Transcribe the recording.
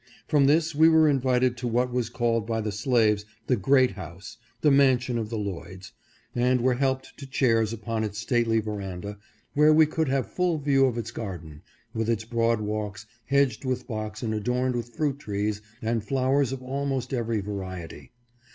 From this we were invited to what was called by the slaves the Great House — the mansion of the Lloyds, and were helped to chairs upon its stately veranda, where we could have full view of its garden, with its broad walks, hedged with box and adorned with fruit trees and flowers of almost every variety.